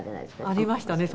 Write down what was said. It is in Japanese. ありましたね。